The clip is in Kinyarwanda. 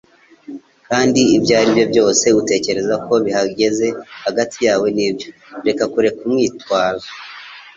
kandi ibyo aribyo byose utekereza ko bihagaze hagati yawe nibyo, reka kureka urwitwazo.